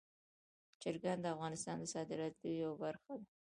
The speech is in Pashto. چرګان د افغانستان د صادراتو برخه ده.